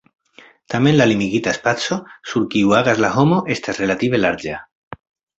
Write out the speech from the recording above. Tamen la limigita spaco, sur kiu agas la homo, estas relative larĝa.